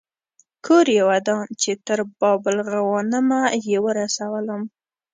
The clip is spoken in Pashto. کور یې ودان چې تر باب الغوانمه یې ورسولم.